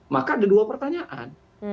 maka ada dua pertanyaan